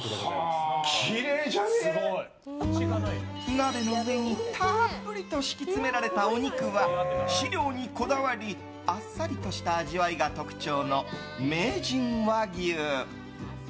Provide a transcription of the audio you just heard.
鍋の上にたっぷりと敷き詰められたお肉は飼料にこだわりあっさりとした味わいが特徴の名人和牛。